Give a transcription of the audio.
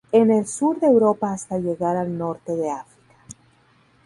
En el sur de Europa hasta llegar al norte de África.